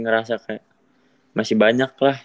ngerasa kayak masih banyak lah